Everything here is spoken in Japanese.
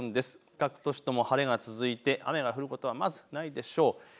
各都市とも晴れが続いて雨が降ることはまずないでしょう。